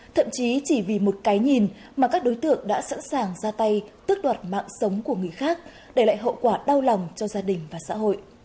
thậm chí chỉ vì một cái nhìn mà các đối tượng đã sẵn sàng ra tay tước đoạt mạng sống của người khác để lại hậu quả đau lòng cho gia đình và xã hội